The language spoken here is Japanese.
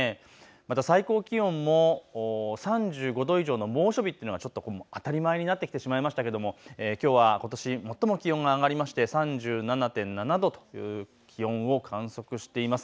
また最高気温も３５度以上の猛暑日というのがちょっと当たり前になってしまいましたけどもきょうはことし最も気温が上がりまして３７．７度という気温を観測しています。